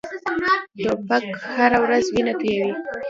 توپک هره ورځ وینه تویوي.